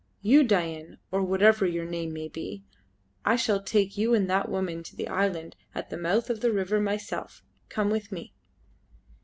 You, Dain, or whatever your name may be, I shall take you and that woman to the island at the mouth of the river myself. Come with me."